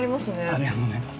ありがとうございます。